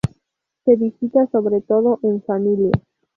Se visita sobre todo en familia.